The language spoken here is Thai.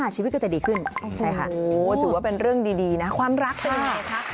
ชีวิตก็จะดีขึ้นใช่ค่ะถือว่าเป็นเรื่องดีนะความรักเป็นยังไงคะ